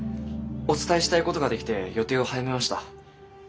お伝えしたいことが出来て予定を早めました。